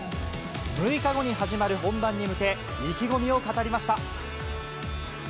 ６日後に始まる本番に向け、意気込みを語りました。